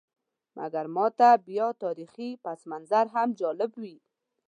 مګر ماته بیا تاریخي پسمنظر هم جالب وي.